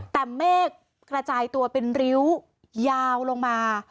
แต่เมฆกระจายตัวเป็นริ้วยาวลงมา